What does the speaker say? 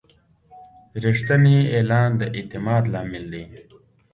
رښتینی اعلان د اعتماد لامل دی.